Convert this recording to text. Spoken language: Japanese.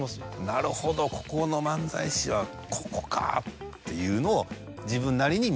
「なるほどここの漫才師はここか！」っていうのを。